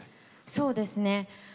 そうですね。